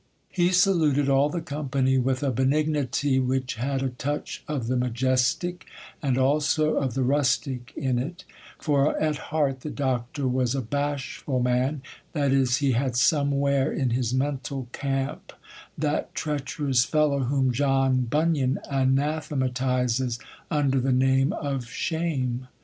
He saluted all the company with a benignity which had a touch of the majestic, and also of the rustic in it; for at heart the Doctor was a bashful man, that is, he had somewhere in his mental camp that treacherous fellow whom John Bunyan anathematizes under the name of Shame.